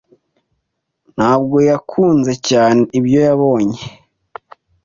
ntabwo yakunze cyane ibyo yabonye.